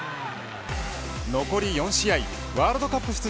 残り４試合ワールドカップ